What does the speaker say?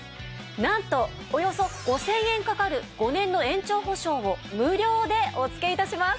なんとおよそ５０００円かかる５年の延長保証を無料でお付け致します。